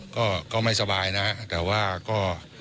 ก็ไม่สบายนะแต่ว่าก็